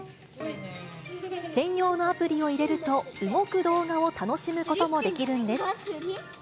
専用のアプリを入れると、動く動画を楽しむこともできるんです。